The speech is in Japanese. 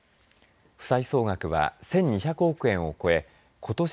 負債総額は１２００億円を超えことし